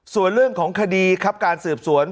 ส่วนเรื่องของคดีครับการสืบสวน